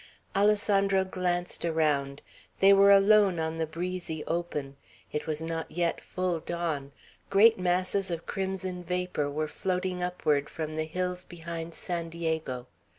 Alessandro glanced around. They were alone on the breezy open; it was not yet full dawn; great masses of crimson vapor were floating upward from the hills behind San Diego.